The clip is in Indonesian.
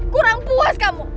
kurang puas kamu